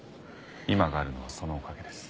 今があるのはそのおかげです。